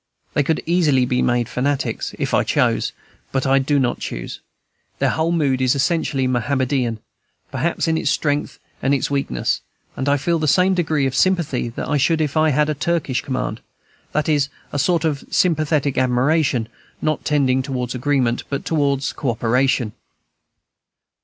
They could easily be made fanatics, if I chose; but I do not choose. Their whole mood is essentially Mohammedan, perhaps, in its strength and its weakness; and I feel the same degree of sympathy that I should if I had a Turkish command, that is, a sort of sympathetic admiration, not tending towards agreement, but towards co operation.